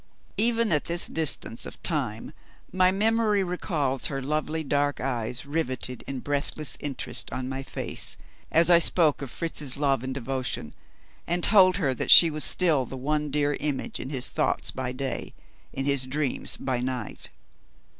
Even at this distance of time, my memory recalls her lovely dark eyes riveted in breathless interest on my face, as I spoke of Fritz's love and devotion, and told her that she was still the one dear image in his thoughts by day, in his dreams by night.